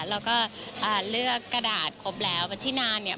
เราก็อ่าเลือกกระดาษครบแล้วที่นานเนี่ย